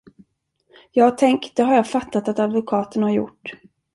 Ja, tänk det har jag fattat att advokaten har gjort.